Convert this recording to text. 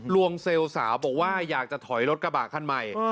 วงเซลล์สาวบอกว่าอยากจะถอยรถกระบะคันใหม่